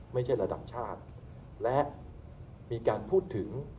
ไม่ใช่ระดับชาติและมีการพูดถึง